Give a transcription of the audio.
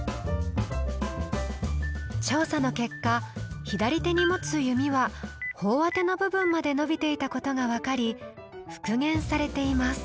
調査の結果左手に持つ弓は頬当ての部分まで伸びていたことが分かり復元されています。